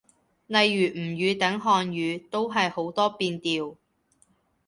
例如吳語等漢語，都係好多變調